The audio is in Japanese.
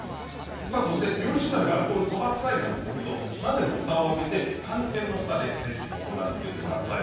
そして料理酒鍋でアルコールを飛ばす際鍋のふたを開けて換気扇の下で行ってください。